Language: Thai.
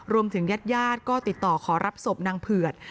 รวมถึงญาติยาดก็ติดต่อขอรับศพนางเผือด